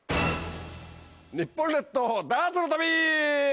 日本列島ダーツの旅！